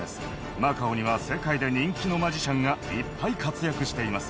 マカオには、世界で人気のマジシャンがいっぱい活躍しています。